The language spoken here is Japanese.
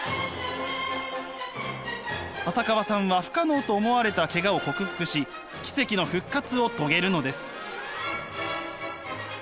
浅川さんは不可能と思われたケガを克服し奇跡の復活を遂げるのです。